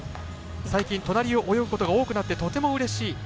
最近、隣を泳ぐことが多くなってとてもうれしい。